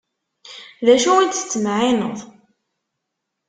D acu i d-tettmeεεineḍ?